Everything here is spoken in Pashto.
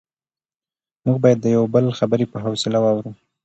موږ باید د یو بل خبرې په حوصله واورو